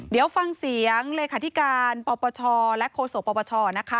เดี๋ยวฟังเสียงเลขาธิการปปชและโคศกปปชนะคะ